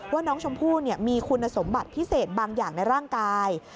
ว่าน้องชมพู่มีคุณสมบัติพิเศษบางอย่างในร่างกาย